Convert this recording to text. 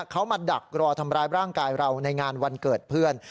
เขามาดักรอทำร้ายร่างกายเราในงานวันเกิดเพื่อน